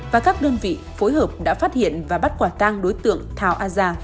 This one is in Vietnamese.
và các đơn vị phối hợp đã phát hiện và bắt quả tang đối tượng thảo a già